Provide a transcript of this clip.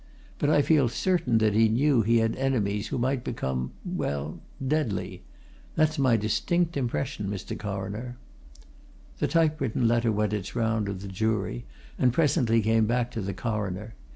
But I feel certain that he knew he had enemies who might become well, deadly. That's my distinct impression, Mr. Coroner." The typewritten letter went its round of the jury and presently came back to the Coroner.